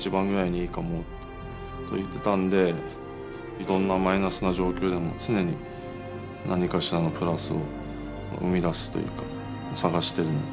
いろんなマイナスな状況でも常に何かしらのプラスを生み出すというか探してるので。